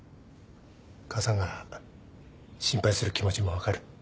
母さんが心配する気持ちも分かる。